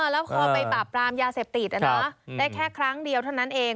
แล้วพอไปปราบปรามยาเสพติดได้แค่ครั้งเดียวเท่านั้นเอง